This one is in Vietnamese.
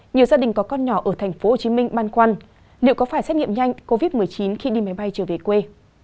nhiều gia đình có con nhỏ ở tp hcm băn khoăn liệu có phải xét nghiệm nhanh covid một mươi chín khi đi máy bay trở về quê